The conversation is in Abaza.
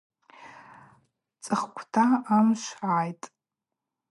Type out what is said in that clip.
Цӏыхквта амшв гӏайтӏ.